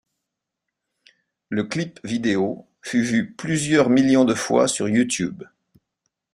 Le clip vidéo fut vu plusieurs millions de fois sur YouTube.